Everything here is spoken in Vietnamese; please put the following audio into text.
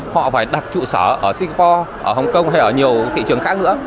họ phải đặt trụ sở ở singapore ở hong kong hay ở nhiều thị trường khác nữa